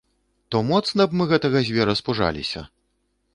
То моцна б мы гэтага звера спужаліся!